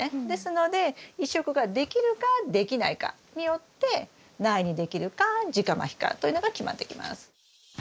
ですので移植ができるかできないかによって苗にできるか直まきかというのが決まってきます。